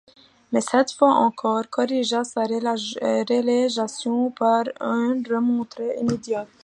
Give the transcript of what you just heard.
Mais cette fois encore, corrigea sa relégation par une remontée immédiate.